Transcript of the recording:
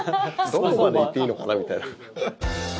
どこまで言っていいのかなみたいな。